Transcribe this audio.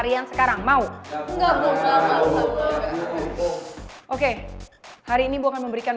dia nyerang aku tanpa ada alasan